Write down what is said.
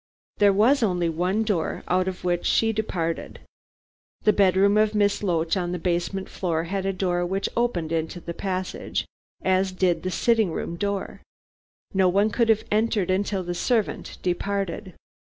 There was only one door, out of which she departed. The bedroom of Miss Loach on the basement floor had a door which opened into the passage, as did the sitting room door. No one could have entered until the servant departed.